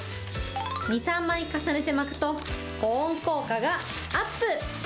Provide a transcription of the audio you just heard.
２、３枚重ねて巻くと、保温効果がアップ。